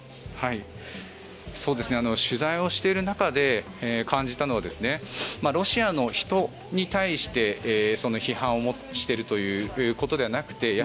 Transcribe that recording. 取材をしている中で感じたのはロシアの人に対して批判をしているということではなくて